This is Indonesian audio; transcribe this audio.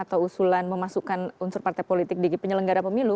atau usulan memasukkan unsur partai politik di penyelenggara pemilu